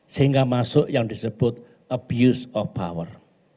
sehingga masuk yang disebut abuse of power